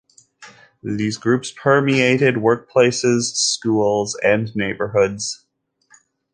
These groups permeated workplaces, schools, and neighborhoods.